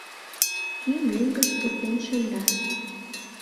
кӱ меҥгыш пуртен шында.